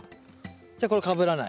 じゃこれかぶらない。